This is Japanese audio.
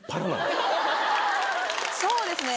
そうですね。